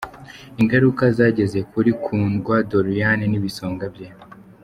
Ingaruka zageze kuri Kundwa Doriane n’ibisonga bye.